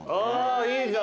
いいじゃん。